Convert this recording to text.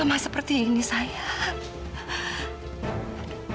tidak seperti ini sayang